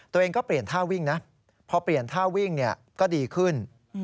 ตัวเองก็เปลี่ยนท่าวิ่งนะพอเปลี่ยนท่าวิ่งก็ดีขึ้น